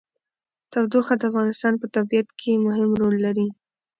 تودوخه د افغانستان په طبیعت کې مهم رول لري.